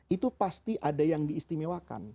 itu pasti ada yang diistimewakan